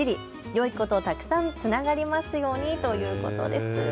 よいこと、たくさんつながりますようにということです。